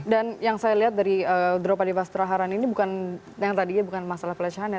dan yang saya lihat dari drupadipas traharan ini bukan yang tadi ya bukan masalah flash hannya